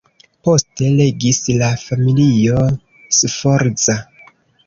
Poste regis la familio Sforza.